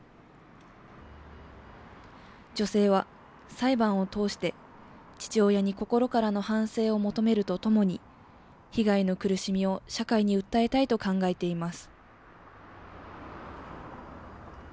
女性は、裁判を通して父親に心からの反省を求めるとともに、被害の苦しみを社会に訴えたいと考えています。